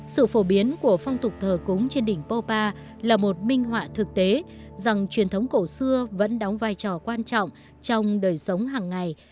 sự phổ biến của phong tục thờ cúng trên đỉnh pô pa là một minh họa thực tế rằng truyền thống cổ xưa vẫn đóng vai trò quan trọng trong đời sống hàng ngày